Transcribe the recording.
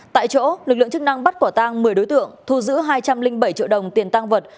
tại chỗ lực lượng chức năng bắt quả tang một mươi đối tượng thu giữ hai trăm linh bảy triệu đồng tiền tăng vật